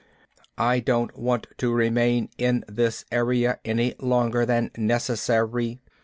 I don't want to remain in this area any longer than necessary.